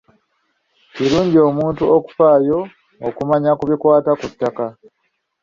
Kirungi omuntu okufaayo okumanya ku bikwata ku ttaka.